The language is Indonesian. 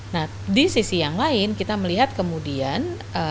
nah di sisi yang lain kita melihat kemudian